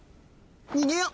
逃げよ。